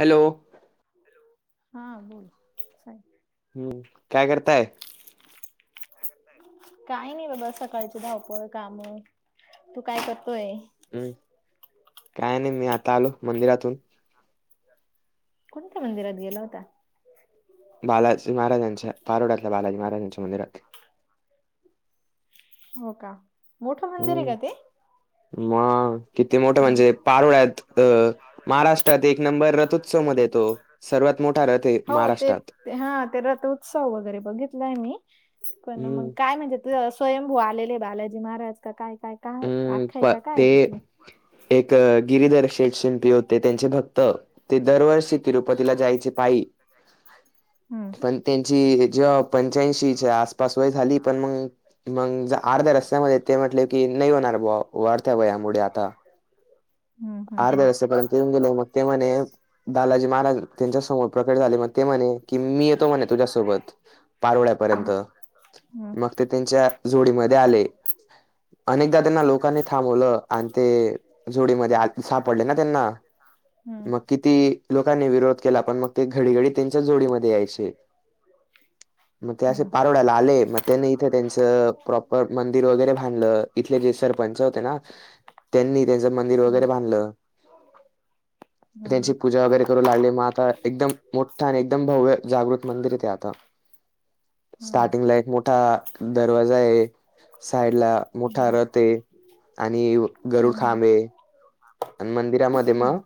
Hello. Hello. हा बोल. काय? हम्म. काय करताय? काही नाही बाबा सकाळची धावपळ काम. तू काय करतोय? हम्म. काय नाही मी आता आलो मंदिरातून. कोणत्या मंदिरात गेला होता? बालाजी महाराजांच्या. पारोड्यातल्या बालाजी महाराजांच्या मंदिरात. हो का? मोठ मंदीर आहे हम्म का ते? मग? किती मोठं म्हणजे पारोळ्यात अ -महाराष्ट्रात एक नंबर रथोत्सव मध्ये येतो. सर्वात मोठा रथ आहे हो महाराष्ट्रात. ते हा. ते रथ उत्सव वगैरे बघितलाय मी पण मग हम्म काय म्हणजे? स्वयंभू आलेले बालाजी महाराज. का काय-काय-काय हम्म प आख्यायिका काय ये ते त्याची? एक गिरीधर शेठ शिंपी होते त्यांचे भक्त. ते दरवर्षी- तिरुपतीला जायचे पायी. हम्म पण त्यांची जे- पंच्याऐंशीच्या आसपास वय झाली. पण मग-मग अर्ध्या रस्त्यामध्ये ते म्हटले - की नाही होणार. बुवा वाढत्या वयामुळे आता. हम्म हम्म अर्ध्या रस्त्यापर्यंत येऊन गेले. मग ते म्हणे- बालाजी महाराज त्यांच्या समोर प्रकट झाले. मग ते म्हणे की मी येतो म्हणे तुझ्यासोबत. पारोळ्यापर्यंत. मग ते त्यांच्या झोळीमध्ये आले. अनेकदा त्यांना लोकांनी थांबवलं आणि ते झोळीमध्ये आले. सापडले ना त्यांना? हम्म मग किती लोकांनी विरोध केला. पण मग ते घडीघडी त्यांच्याच झोळीमध्ये यायचे. मग ते असे हम्म पारोळ्याला आले. मग - त्यांनी इथे त्यांचं प्रॉपर मंदिर वगैरे बांधलं. इथले जे सरपंच होते ना? त्यांनी त्यांच मंदिर हम्म वगैरे बांधलं. हम्म त्यांची पूजा वगैरे- करू लागले म आता एकदम मोठ्ठ आणि एकदम भव्य जागृत मंदिर ए ते आता. हम्म हम्म स्टार्टिंगला एक मोठा दरवाजा आहे. साईड ला हम्म मोठा रथ आहे. आणि गरुड हम्म हम्म खांबे- आणि मंदिरामध्ये मग- हम्म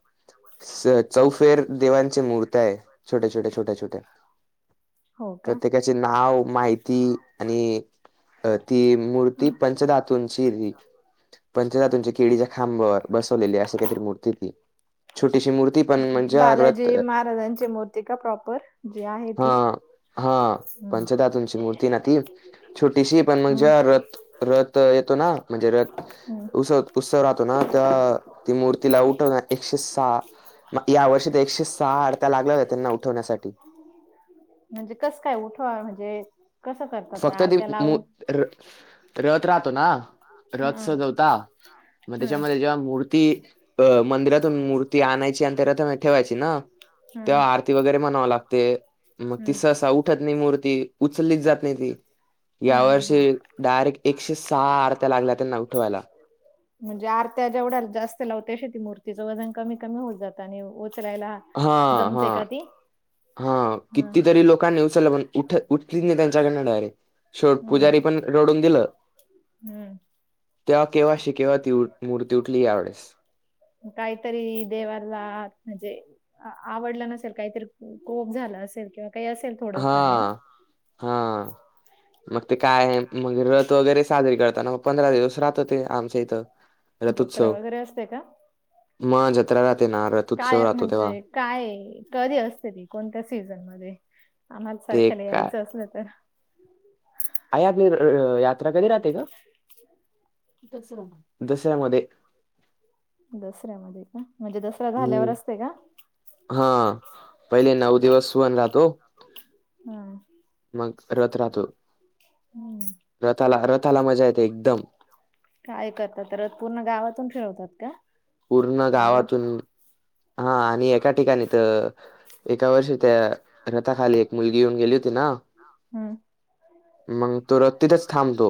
चौफेर देवांच्या मुर्त्या आहे. छोट्या-छोट्या-छोट्या-छोट्या. हो का? त्याच नाव, माहिती, आणि ती हा मूर्ती पंचधातू- [unintelligible] पंचधातूचे केळीचे खांब. बसवलेली असे काहीतरी मूर्ती ये ती. छोटीशी मूर्ती- पण म्हणजे हा रथ बालाजी महाराजांची मूर्ति का प्रॉपर जी आहे हा ती. हा हम्म. पंचधातुंची मूर्ती ना ती छोटीशी पण मग हम्म ज्या रथ-रथ त येतो ना म्हणजे रथ हम्म उसत उत्सव राहतो ना? त्या ती मूर्ती लाऊ ठेवून हाय एकशे सहा. मग या वर्षी एकशे सहा आडत्या लागल्या होत्या त्यांना उठवण्यासाठी. म्हणजे कस काय उठवा म्हणजे कसं करतात फक्त ती आरत्या मो लावून र रत राहतो ना? रथ हम्म सजवता मग हम्म त्याच्यामध्ये जेव्हा मूर्ती अ मंदिरातून मूर्ती आणायची आणि त्या रथामध्ये ठेवायची ना तेव्हा हम्म आर ती वैगरे म्हणाव लागते. मग ती हम्म सहसा उठत नाही मूर्ती. उचललीच जाते माहिती या हा हा हा वर्षी डायरेक्ट एकशे-सहा आरत्या लागल्या त्यांना उठवायला. म्हणजे आरत्या जेवढ्या जास्त लाव त्या श मूर्तीचं वजन कमी कमी होत जात आणि उचलायला जमते हा-हा-हा, का ती हम्म किती तरी लोकांनी उचल पण उठ-उठली नाही त्यांच्याकडन डायरेक्ट. शेवट हम्म पुजारी पण रडून दिलं. हम्म तेव्हा केव्हाशी केव्हा ती उठ मूर्ती उठली यावेेळेस. काहीतरी देवाला म्हणजे आवडलं नसेल. काहीतरी को कोप झाला असेल, किंवा काही असेल. थोडंफार आहे ना हा- हा. मग ते काय आहे मग रथ वगैरे साजरी करताना मग पंधरा दिवस राहतो ते आमच्या इथं. जत्रा रथोत्सव. वगैरे असते का मग जत्रा राहते ना रथोत्सव काय राहतो तेव्हा. म्हणजे काय? कधी असते ती? कोणत्या सीझन मध्ये? आम्हाला ते सारख्याला काय यायचं असलं तर? आई आपली यात्रा कधी राहते ग? दसरा. दसऱ्यामध्ये. दसऱ्यामध्ये का? म्हणजे दसरा झाल्यावर हम्म असते का? हा. पहिले नऊ दिवस सुवण राहतो. हम्. मग रथ राहतो. हम्म रथाला-रथाला मजा येते एकदम. काय करतात रथ? पूर्ण गावातून फिरवतात का? पूर्ण पारो गावातून. हा आणि एका ठिकाणी तर एका वर्षी त्या रथा खाली एक मुलगी येऊन गेली होती ना हम्म. मंग तो तिथेच थांबतो.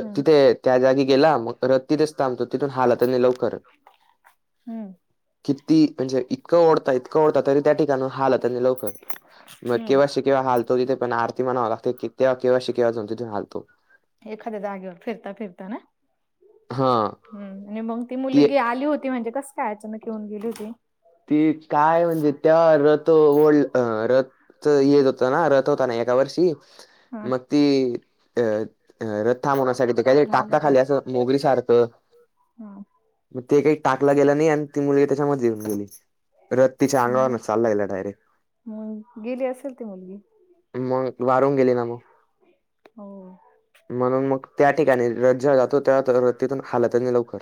हम्म त्या जागी गेला, मग रथ तिथेच थांबतो. तिथून हालातच नाही लवकर. हम्म. किती? म्हणजे इतकं ओढता, इतकं ओढता, तरी त्या ठिकाणाहून हालतच नाही लवकर. मग हम्म केव्हा शिकेव्हा हलतो तिथे पण आरती म्हणावी लागते तेव्हा केव्हा शिकेवा जाऊन तिथे हलतो एखाद्या जागेवर फिरता-फिरता ना? हा हम्म, आणि मग ती मुलगी आली होती, म्हणजे कस काय अचानक येऊन गेली होती. ती काय म्हणजे त्या रथ ओढला अ रथ त येत होता ना रथ होता ना एका वर्षी हा मग ती अ अ रत थांबवण्यासाठी ते कायतरी टाकता खाली असं मोगरी सारखं. हा मग ते काही टाकला गेला नाही आणि ती मुलगी त्याच्यामध्ये येऊन गेली. रथ तिच्या अंगावरच मग? चालला गेला डायरेक्ट मग गेली असेल ती मुलगी. मग वारून गेली ना मग. हो. म्हणून मग त्या ठिकाणी [unintelligible] तिथून हालतच नाही लवकर.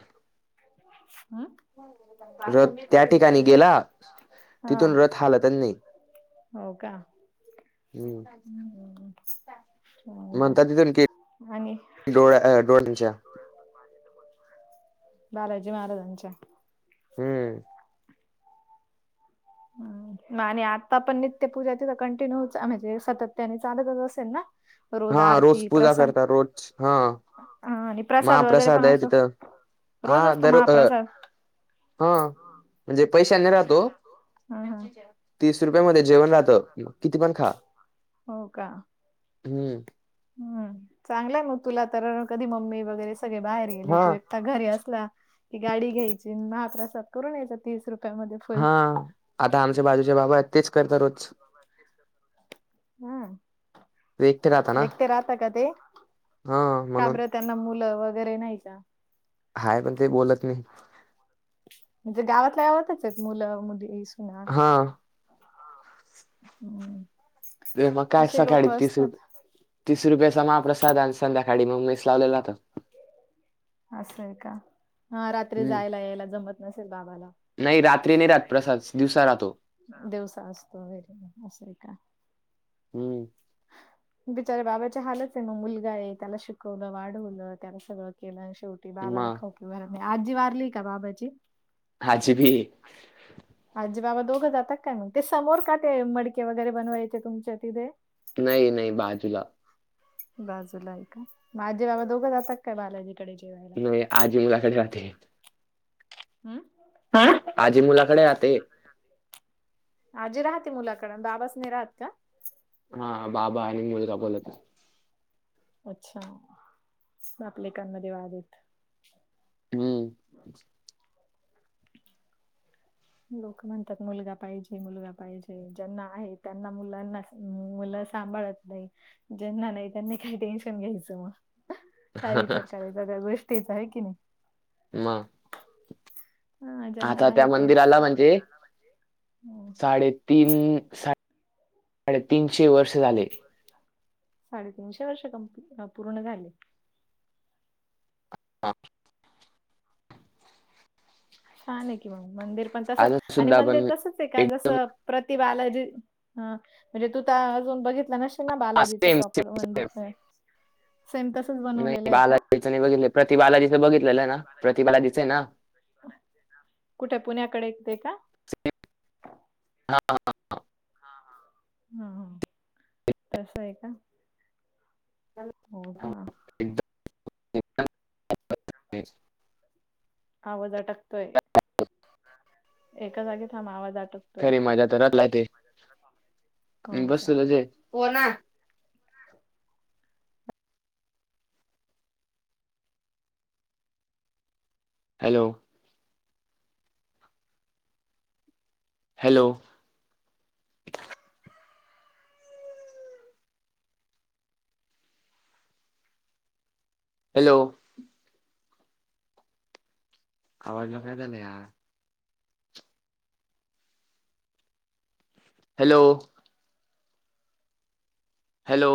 हं? त्या ठिक- ठिकाणी गेला. हा तिथून रथ हालतच नाही. हो का? हम्. हम्म. म्हणता चालतंय तिथून की - आणि? [unintelligible] बालाजी महाराजांच्या. हम्म. हं. आणि आत्ता पण नित्य पूजा तिथ कंटिन्यू म्हणजे सातत्याने चालतच असेल ना? हा. रोज आरती पूजा प्रसाद करता रोज. हा. आणि प्रसाद वगैरे महाप्रसाद पण आहेत असतो. तिथं. हा. रोज असतो दर अ- महाप्रसाद हा. म्हणजे पैशाने राहतो. हा हा तीस रुपया मध्ये जेवण राहतं. किती पण खा. हो का? हम्. हम्. चांगलय मग तुला तर कधी मम्मी वगैरे सगळे बाहेर गेले. हा तू- एकटा घरी असला की गाडी घ्यायची महाप्रसाद करून यायचा तीस रुपयामध्ये. फुल हा. आता आमच्या बाजूचे बाबा आहेत तेच करता रोज. हम्. एकटे राहता ना? एकटे राहता का ते? हा का म्हणून बर त्यांना मुलं वगैरे नाही का? हाये पण ते बोलत नाही. म्हणजे गावातल्या गावातच आहेत मुलं म्हणजे सुना? हा हम्म. ते म काय असे सकाळी लोक तीस असतात. - तीस रुपयाचा महाप्रसाद आणि संध्याकाळी मग मेस लावलेल राहात. असंय का? हा रात्री हम्म जायला यायला जमत नसेल बाबाला. नाही रात्री नाही राहत प्रसाद. दिवसा राहतो. दिवसा असतो वगैरे असंय का? हम्म. बिचाऱ्या बाबाचे हालच आहे मग, मुलगा आहे त्याला शिकवलं वाढवलं त्याला सगळं केलं शेवटी- बाबाला मग खाउपिऊ घालत नाही. आजी वारलीये का बाबाची? आजी बी ये. आजी बी ये. आजी बाबा दोघं जाता काय मग? ते समोर का ते मडके वगैरे बनवायचे तुमच्या तिथे? नाही नाही. बाजूला. बाजूला आहे का? म आजी बाबा दोघं जातात काय बालाजीकडे जेवायला? आजी मुलाकडे जाते. अं? आं? आजी मुलाकडे जाते. आजी राहते मुलाकडे आणि बाबााच नाही राहात का? हा. बाबा आणि मुलगा बोलत नाही. अच्छा. बाप आणि लेकामध्ये वादयेत. हम्म. बर [inaudible] लोक म्हणतात मुलगा पाहिजे, मुलगा पाहिजे, ज्यांना आहे, त्यांना मुलांना हम् मुलं सांभाळत नही, ज्यांना नाही त्यांनी काय टेन्शन घ्यायचं मग? काय विचार करायचा त्या गोष्टीचा, हाय की नई? म? हा ज्यांना आता त्या आहे तेच मंदिराला म्हणजे, हम्म. साडे तीन, साडे [inaudible] तीनशे वर्ष झाले. साडेतीनशे वर्ष कम-पूर्ण झाले. हा. छाने की मग, मंदिर पण तस अजून आणि सुद्धा मंदिर पण तसच एक काग? जस प्रतिबालाजी हं म्हणजे तू त अजून बघितला नश ना बालाजीच सेम सेम प्रॉपर सेम मंदिरच, सेम तसच बनवलेलं ये का? च नहीं बघितल, प्रतिबालाजीच बघितलेलं ना, प्रतिबालाजीच ना [inaudible] कुठे, पुण्याकडे ये ते का? स [unintelligible] अं. हां हां, तसय का? ह हो का [unintelligible] एकदम [unintelligible] आवाज अटकतोय, एका जागी थांब, आवाज अटक खरी मजा तर [unintelligible] ते हो का? बसलेलो च, हो ना. हॅलो? हॅलो? हॅलो? आवाजला काय झालं यार? हॅलो? हॅलो?